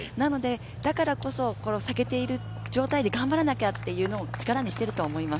だからこそ下げている状態で頑張らなきゃというのを力にしていると思います。